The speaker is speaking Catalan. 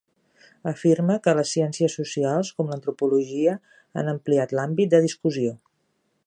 Afirme que les ciències socials, com l'antropologia, han ampliat l'àmbit de discussió.